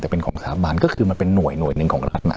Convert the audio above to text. แต่เป็นของสถาบันก็คือมันเป็นหน่วยหนึ่งของรัฐ